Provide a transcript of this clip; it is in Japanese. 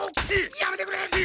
やめてくれ！